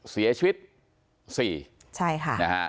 เสียชีวิต๔